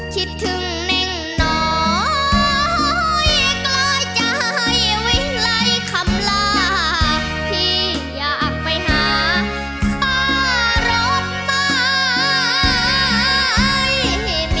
คิดถึงเน่งน้อยกลายใจวิ่งไล่คำลาที่อยากไปหาตารกตาย